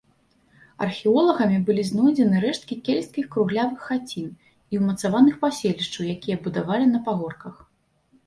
Археолагамі былі знойдзены рэшткі кельцкіх круглявых хацін і ўмацаваных паселішчаў, якія будавалі на пагорках.